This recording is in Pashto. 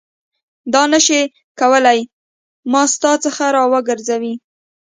دا نه شي کولای ما ستا څخه راوګرځوي.